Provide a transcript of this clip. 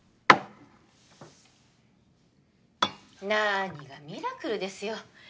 なーにがミラクルですよ